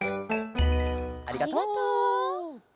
ありがとう。